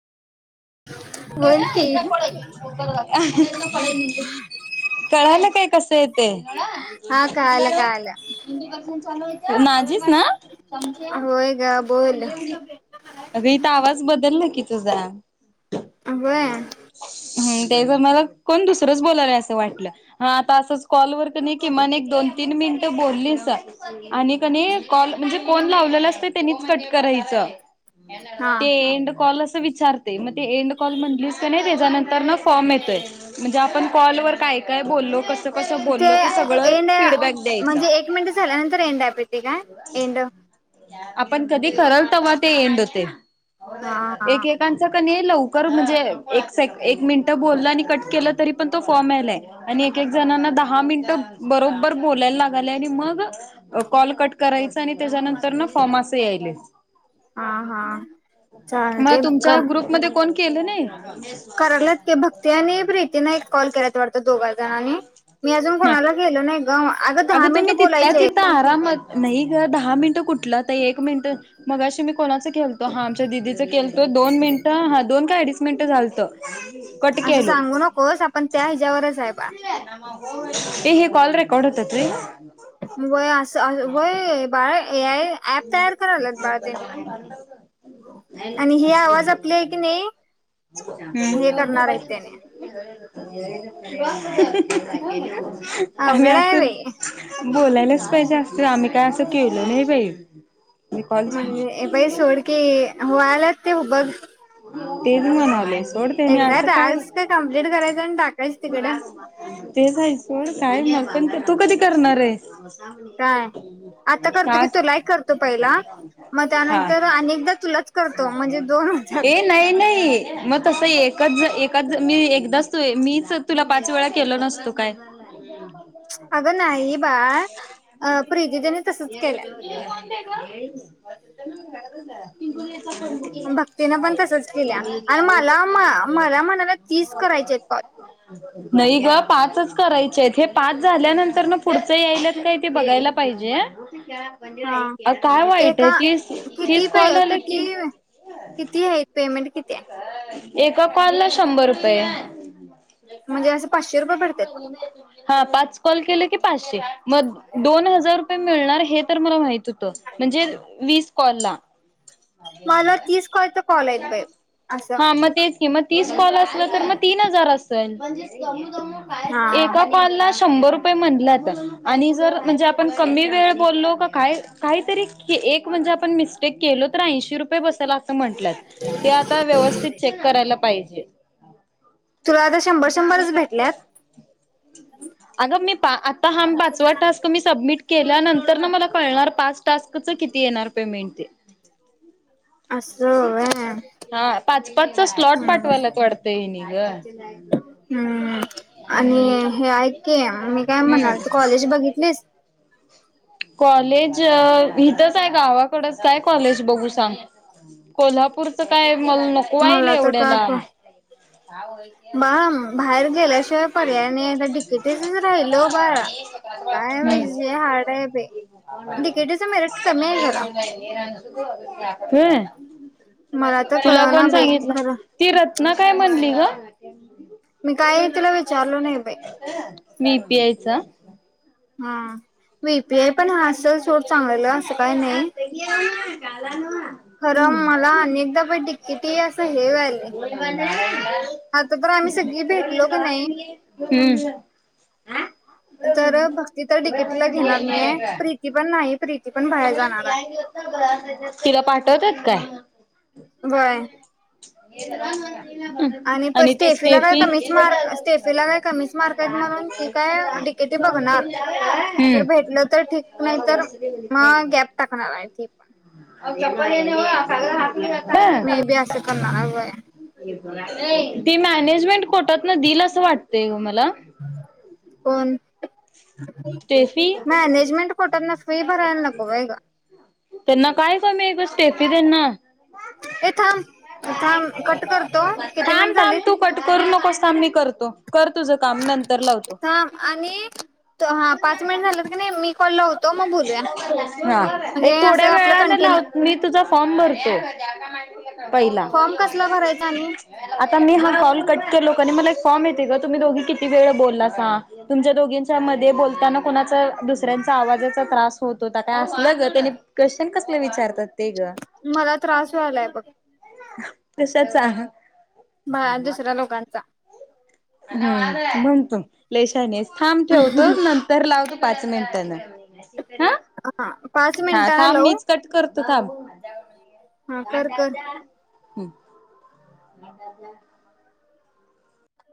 [inaudible] बोल की कळालय का कसय ते? [inaudible] हा कळालं कळालं माझीच ना चमचा होय ग बोल रीता आवाज बदललाय की तिचा तु जा व्हय ते जरा मला कोण दुसरच बोलायलय अस वाटलं हा आता असच कॉलवर का नई. की म्हणे एक दोन तिन मिनट बोललीस आणि कनी कॉल म्हणजे कोन लावत आपल्यालाच तेनिच कट करायच. येणारा हा जाणारा ते ऐन्ड कॉल असतो. तु विचार ते म ते एन्ड कॉल म्हंटलीस का नइ त्याच्यानंतरन हो मिच आहे म्हणजे आपण कॉलवर काय काय बोललो कस? ते एन्ड द्यायचं म्हणजे एक मिनिट झाल्यानंतर एन्ड दाबीती काय एन्ड या आपण कधी करल तेव्हा ते एन्ड होतय हा हा एकेकांच ते लवकर म्हणजे एक सेंक एक मिनिट बोलल आणि कट केल तरी तो फोमेले एक एक जणांना दहा मिनिट बरोबर बोलायला लागायला आणि मग कॉल कर करायचा आणि त्याच्यानंतर ना फॉम अस यायल्यात हा हा चालतय. ज्या ग्रुप मध्ये कोण? केलं नाही करलेत की भक्ती आणि प्रीतीने एक कॉल करत वाटतं जा आणि मी अजून कोणाला गेलो नाही. गमा अगं तुम्ही तिथल्या तिथं आरामात नाही ग दहा मिनटं कुठलं तर एक तो हा आमच्या दिदीचं केल तो दोन मिनिटं हा दोन का अडीच मिनिटं झालतं. [unintelligible] असं केलो सांगू नकोस आपण त्या हिच्यावरच आहे बाळ हे कॉल रेकॉर्ड होतात [unintelligible] व्हय असं व्हय बाळा ए आय ऍप तयार करालात बाळा त्यांनी आणि ह्म्म हे आवाज आपले आहे की नाही [inaudible] हे करणार आहेत त्याने आम्ही अवघड असच आहे बाई बोलायलाच पाहिजे असं आम्ही काय असं केलं नाही बाई. मी कॉल म्हणजे झाला ए बाई सोडकीे व्हालात ते बघ तेच म्हाणालोय एकदा टास्क कंप्लीट करायचं आणि टाक तेच आहे सोड काय मला पण तू कधी करणार आहे. काय आता करतो की तुला ही करतो पहिला, मग हा त्यानंतर अनेकदा तुलाच करतो म्हणजे दोन होत्यात. ए नाही नाही मग तसं एकच-एकच मी एकदाच तो मी तुला पाच वेळा केला नसतो काय अगं नाही बाळ अ प्रीतीदिदी [unintelligible] [inaudible] [unintelligible] ने भक्तीनं पण तसंच केल्या आणि मला मला म्हणाला तीस करायचे आहेत कॉल नाही गं पाचच करायचे आहेत हे पाच झाल्यानंतर न पुढचं यायला ते बघायला पाहिजे हा अ काय वाईट आहे, एका किती तीस-तीस प कॉल आलकी [inaudible] किती किती आहे पेमेंट किती आहे एका कॉलला शंभर रुपये म्हणजे असं पाचशे रुपये पडतात की [unintelligible] हा पाच कॉल केले की पाचशे मग दोन हजार रुपये मिळणार हे तर मला माहिती होतं म्हणजे वीस कॉलला. मला तीस पर्यंत कॉलयेत बाई...... असं हा मग तेच की मग तीस कॉल असले की तीन हजार असते. हा एका कॉल ला [unintelligible] शंभर रुपये म्हणल्यात. आणि जर म्हणजे आपण कमी वेळ बोललो काय काही तरी हे एक तर आपण मिस्टेक केलो, तर ऐंशी रुपये बस ते असं म्हटल्यात ते आता व्यवस्थित चेक करायला पाहिजे. तुला आता शंभर शंभरच भेटल्यात आगं मी पा आत [unintelligible] तुम्ही सबमिट केल्यानंतरन मला कळणार पाच टास्क च किती येणार पेमेंट ते अस [inaudible] हो हा हा पाच पाचचा स्लॉट हं पाठवायलात वाटतं हेनी गं. हम्म आणि हे ऐक की मी काय मनायले हम्म. कॉलेज बघितले कॉलेज अ इथच हाय गावाकडच काय कॉलेज बघू सांग. कोल्हा मला तर काय लांब. कल--बघा ना बाहेर गेल्याशिवाय पर्याय नाही. आता डि के टी चं च राहिलं बाळा. काय बाई विषय हार्ड [unintelligible] हाय. आहे खरं होय मला तर तुला कळना कोण बाई सांगितलं? खरं ती रत्ना काय म्हणली ग? मी काय तुला विचारलो नाही बाई व्ही पी आय च? हा व्हि पी आय पण असल सोड चांगलं. तस काय नाही. आला ना खरं मला आणि एकदा द्किती की किती असं हे व्हायलय आता तर आम्ही सगळी भेट [unintelligible] हं [inaudible] आ तर भक्ती तर डी कितला घेणार नाही ये प्रीती पण नाही प्रीत [unintelligible] त्यात काय व्हय ये जरा आन ग आणि स्टेफी ला काय कमीच मार्क स्टेफी ला काय कमीच मार्क म्हणून ती काय [inaudible] बघना जर हम्म. भेटलं तर ठीक नाही तर गॅप म टाकणार य ती पण. [unintelligible] मी बी आस करणार आहे व्हय. ते मॅनेजमेंट कोटातन दिल आस वाटतय ग मला. कोण? स्टेफी मॅनेजमेंट कोटातनं फी भराय नको व्हय ग तेना काय कमी ए थांब हाय थांब कट करतो [unintelligible] किती थांब मिनिट थांब झालीत तू कट करू नकोस थांब मी करतो. कर तुझं काम नंतर लावतो. हा आणि त हा पाच महिनं झाल्यात कि नाही मी कॉल लावतो मग बोलूया हा म्हणजे एक थोड्या असं आपलं वेळान लाव कंटिन्यू मि तुझा फॉम भरतो. [inaudible] पहिला, फॉर्म कसला भरायचा आणि आता मी हा कॉल कट केलो का नाही मला एक फॉम येतोच ग तुम्ही दोघी किती वेळ बोलासा, तुमच्या दोघीनच्या मध्ये बोलताना कुणाचं दुस त्यांचा आवाजाचा त्रास होत होता काय? आसलं ग त्यांनी क्वेशन कसले विचारतात. ते ग मला त्रास व्हयालाय बग तसच आणा. दुसऱ्या लोकांचा [inaudible] म्हण तू लय शानी आहेस. थांब ठेवतो नंतर लाव नंतरन हा पाच मिनिटांन लावू? तू थांब हा कर कर [inaudible] ह [unintelligible]